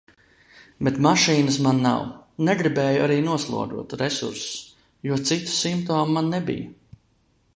Bet mašīnas man nav. Negribēju arī noslogot resursus, jo citu simptomu man nebija.